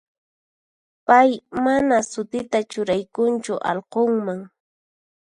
Pay mana sutita churaykunchu allqunman.